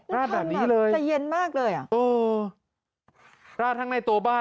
ราดแบบนี้เลยมันทำอ่ะใจเย็นมากเลยอ่ะอือราดทั้งในตัวบ้าน